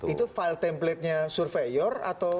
itu file template nya surveyor atau